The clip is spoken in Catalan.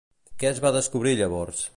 Què es va descobrir llavors?